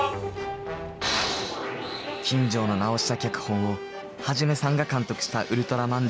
金城の直した脚本を一さんが監督した「ウルトラマン」